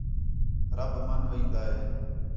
رب مَن وین٘دا ہِے